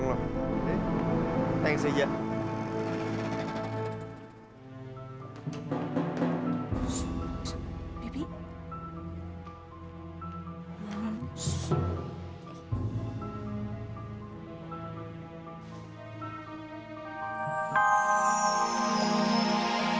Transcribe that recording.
gue udah gak ngerti mesti ngelakuin apa